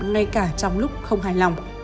ngay cả trong lúc không hài lòng